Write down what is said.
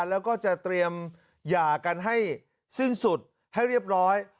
แล้วก็จะเตรียมหย่ากันให้สิ้นสุดให้เรียบร้อย